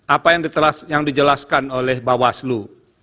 akan ambil apa yang dijelaskan oleh bawaslu